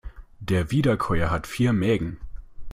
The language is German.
Der Wiederkäuer hat vier Mägen.